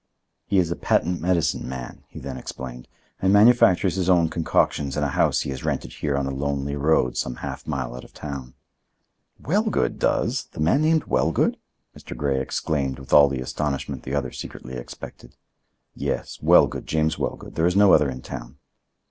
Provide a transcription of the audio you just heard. "He is a patent medicine man," he then explained, "and manufactures his own concoctions in a house he has rented here on a lonely road some half mile out of town." "Wellgood does? the man named Wellgood?" Mr. Grey exclaimed with all the astonishment the other secretly expected. "Yes; Wellgood, James Wellgood. There is no other in town."